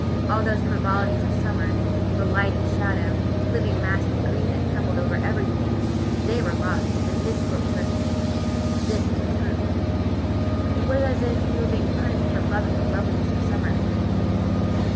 All those frivolities of summer, the light and shadow, the living mask of green that trembled over everything, they were lies, and this is what was underneath. This is the truth." It was as if we were being punished for loving the loveliness of summer.